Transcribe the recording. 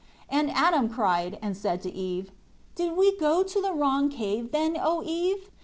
5 And Adam cried and said to Eve, "Did we go to the wrong cave, then, O Eve?